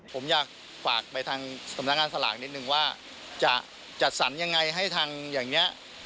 ผมอยากฝากไปทางสำนักงานสลากนิดนึงว่าจะจัดสรรยังไงให้ทางอย่างนี้